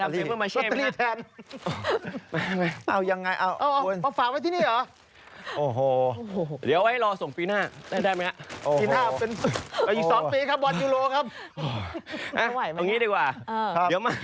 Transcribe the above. ตรงนี้ดีกว่า